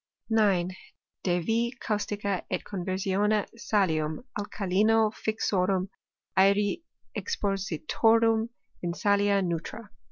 9. De yi caustica et conversione salium alkalino* fixorum aeri expositor um in salia neutra.